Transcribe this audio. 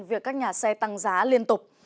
việc các nhà xe tăng giá liên tục